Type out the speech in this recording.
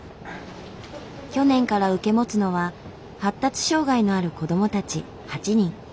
去年から受け持つのは発達障害のある子どもたち８人。